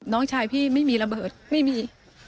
น้องชายพี่ไม่มีระเบิดไม่มี